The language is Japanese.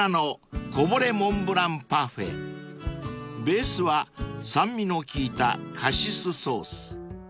［ベースは酸味の効いたカシスソース］